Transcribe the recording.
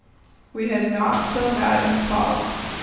Not so bad in fog.